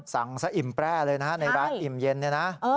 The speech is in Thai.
สั่งซะอิ่มแปร่เลยนะในร้านอิ่มเย็น